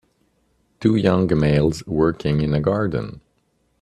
Two young males working in a garden.